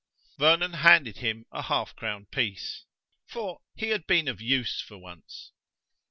Vernon handed him a half crown piece, for he had been of use for once.